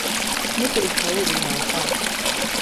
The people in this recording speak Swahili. Nipe ushauri unaofa.